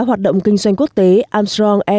hoạt động kinh doanh quốc tế armstrong